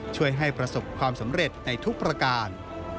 ช่วยให้ประสบความสำเร็จในทุกประการ